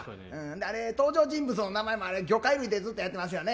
あれ、登場人物の名前も、あれ、魚介類でずっとやってますよね。